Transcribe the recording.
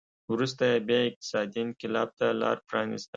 وروسته یې بیا اقتصادي انقلاب ته لار پرانېسته